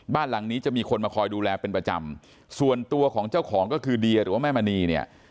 บ้านหลังนี้จะมีคนมาคอยดูแลเป็นประจำส่วนตัวของเจ้าของก็คือเดียหรือว่าแม่มณีเนี่ย